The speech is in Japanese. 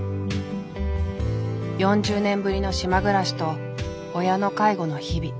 ４０年ぶりの島暮らしと親の介護の日々。